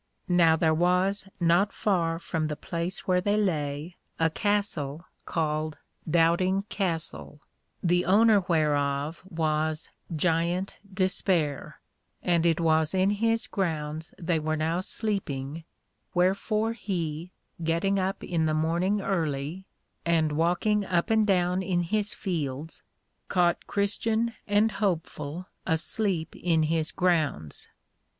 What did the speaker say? Now there was not far from the place where they lay, a Castle called Doubting Castle, the owner whereof was Giant Despair, and it was in his grounds they were now sleeping: wherefore he, getting up in the morning early, and walking up and down in his fields, caught Christian and Hopeful asleep in his grounds.